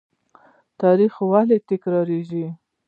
تاریخ ولې تکراریږي؟